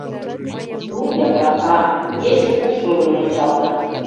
Лум яклака, ече куштылгын мунчалта.